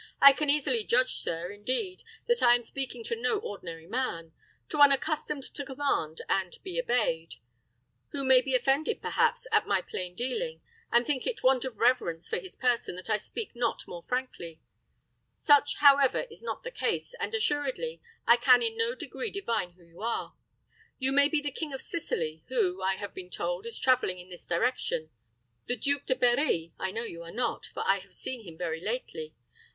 "I can easily judge, sir, indeed, that I am speaking to no ordinary man to one accustomed to command and be obeyed; who may be offended, perhaps, at my plain dealing, and think it want of reverence for his person that I speak not more frankly. Such, however, is not the case, and assuredly I can in no degree divine who you are. You may be the King of Sicily, who, I have been told, is traveling in this direction. The Duke de Berri, I know you are not; for I have seen him very lately.